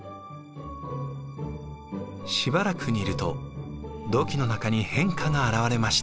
しばらく煮ると土器の中に変化が表れました。